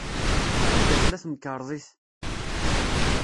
Anda tella temkerḍit?